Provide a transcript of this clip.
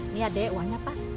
ini ya dek uangnya pas